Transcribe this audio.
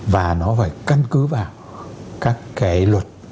và nó phải căn cứ vào các cái luật